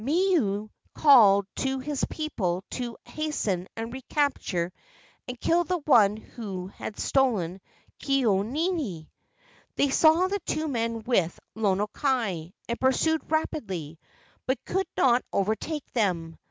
Milu called to his people to hasten and capture and kill the one who had stolen Ke au nini. They saw the two men with Lono kai, and pursued rapidly, but could not overtake them.